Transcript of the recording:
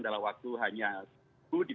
dalam waktu hanya itu